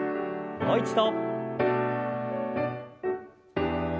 もう一度。